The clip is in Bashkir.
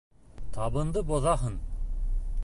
Табынды боҙаһың!